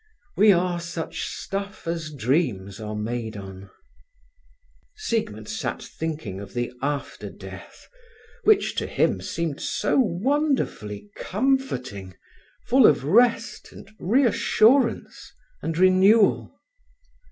'We are such stuff as dreams are made on.'" Siegmund sat thinking of the after death, which to him seemed so wonderfully comforting, full of rest, and reassurance, and renewal.